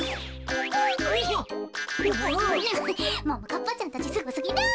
ももかっぱちゃんたちすごすぎる。